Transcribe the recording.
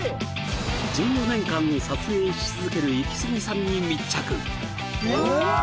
１４年間撮影し続けるイキスギさんに密着・うわ！